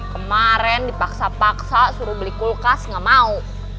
kemarin dipaksa paksa suruh beli kulkas nggak mau